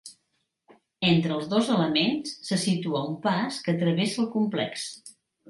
Entre els dos elements, se situa un pas que travessa el complex.